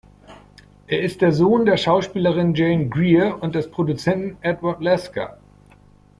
Er ist der Sohn der Schauspielerin Jane Greer und des Produzenten Edward Lasker.